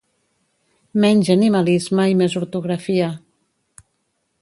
Menys animalisme i més ortografia